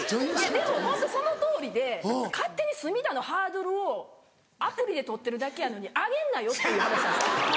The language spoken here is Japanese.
でもホントそのとおりで勝手に隅田のハードルをアプリで撮ってるだけやのに上げんなよっていう話なんですよ。